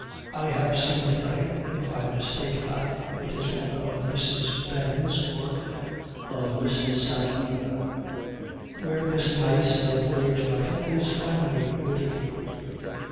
I have seen a play (if I mistake not it is one of Mrs. Behn's or of Mrs. Centlivre's) where this vice in a voyage writer is finely ridiculed.